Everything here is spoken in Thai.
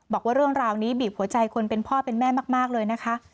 บอกว่าเรื่องราวนี้บีบหัวใจคนเป็นพ่อเป็นแม่มากเลยนะคะ